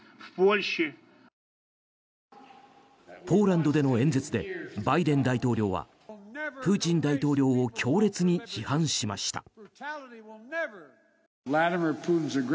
ポーランドでの演説でバイデン大統領はプーチン大統領を強烈に批判しました。